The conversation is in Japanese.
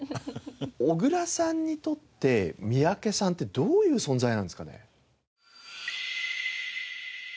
小倉さんにとって三宅さんってどういう存在なんですかね？